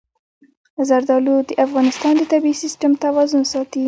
زردالو د افغانستان د طبعي سیسټم توازن ساتي.